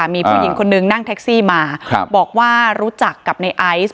มีผู้หญิงคนนึงนั่งแท็กซี่มาบอกว่ารู้จักกับในไอซ์